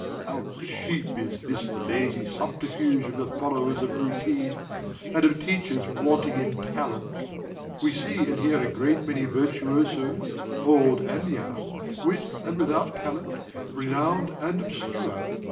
How cheap is this lazy subterfuge of the followers of routine, and of teachers wanting in talent! We see and hear a great many virtuosos, old and young, with and without talent, renowned and obscure.